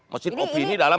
mesin opini dalam